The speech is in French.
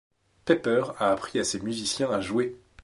Pepper a appris à ses musiciens à jouer.